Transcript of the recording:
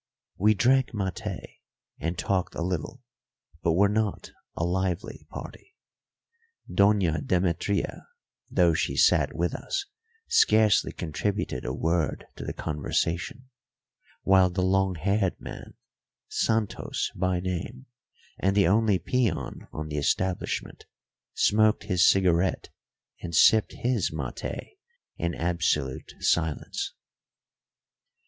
We drank maté and talked a little, but were not a lively party. Doña Demetria, though she sat with us, scarcely contributed a word to the conversation; while the long haired man Santos by name, and the only peon on the establishment smoked his cigarette and sipped his maté in absolute silence.